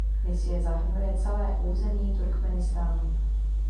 Misie zahrnuje celé území Turkmenistánu.